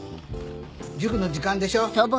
塾の時間でしょ。